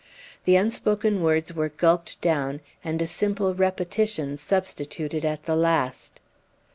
The unspoken words were gulped down, and a simple repetition substituted at the last.